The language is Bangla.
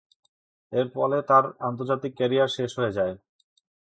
এর ফলে তার আন্তর্জাতিক ক্যারিয়ার শেষ হয়ে যায়।